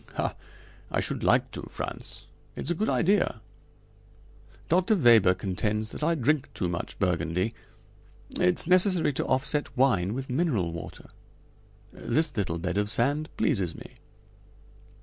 "Ha! I should like to, Frantz; it's a good idea. Dr. Weber contends that I drink too much Burgundy. It's necessary to offset wine with mineral water. This little bed of sand pleases me."